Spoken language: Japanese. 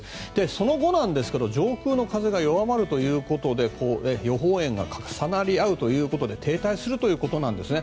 その後、上空の風が弱まるということで予報円が重なり合うということで停滞するんですね。